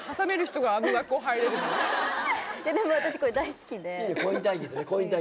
でも私これ大好きで。